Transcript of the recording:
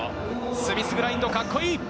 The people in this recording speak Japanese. スミスグラインド、カッコいい！